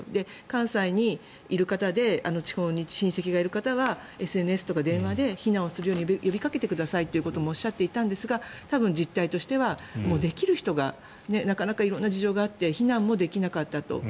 関西にいる方で地方に親戚がいる方はＳＮＳとか電話で避難をするように呼びかけてくださいともおっしゃっていたんですが実態としてはできる人がなかなか色んな事情があって避難もできなかったと。